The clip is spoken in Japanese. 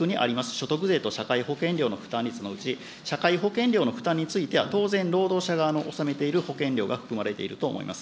所得税と社会保険料の負担率のうち、社会保険料の負担については当然、労働者側の納めている保険料が含まれていると思います。